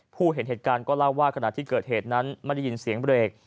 เห็นเหตุการณ์ก็เล่าว่าขณะที่เกิดเหตุนั้นไม่ได้ยินเสียงเบรก